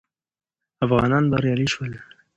افغانان بریالي شول